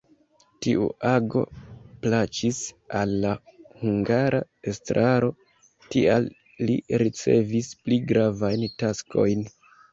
Tiu ago plaĉis al la hungara estraro, tial li ricevis pli gravajn taskojn.